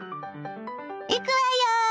いくわよ！